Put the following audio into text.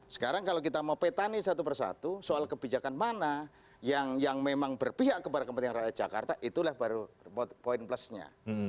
sekarang kalau kita mau petani satu persatu soal kebijakan mana yang memang berpihak kepada kepentingan rakyat jakarta itulah baru poin plusnya